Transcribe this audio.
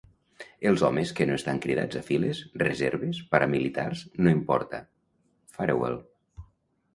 Els homes que no estan cridats a files, reserves, paramilitars, no importa, Farewell.